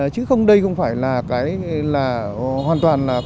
chứ không đây không phải là cái là hoàn toàn